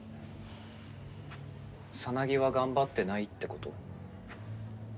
サナギは頑張ってないってこと？